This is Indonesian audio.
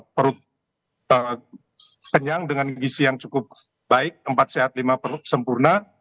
perut kenyang dengan gisi yang cukup baik empat sehat lima perut sempurna